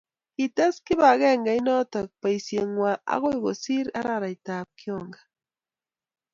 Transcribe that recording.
kites kibagengeinoto boishengwai akoi kosir arairaitab kyoga